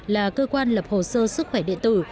là cơ quan lập hồ sơ sức khỏe điện tử